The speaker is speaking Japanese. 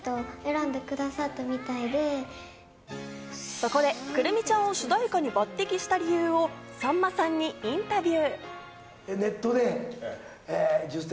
そこで、来泉ちゃんを主題歌に抜擢した理由をさんまさんにインタビュー。